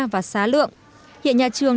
và xá lượng hiện nhà trường